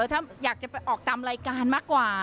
ถ้าอยากจะไปออกตามรายการมากกว่า